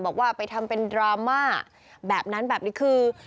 บอกว่าไปทำเป็นดราม่าแบบนั้นแบบนี้คือ